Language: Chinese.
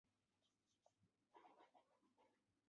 以硬木制成的蒙特卡洛枪托为特色。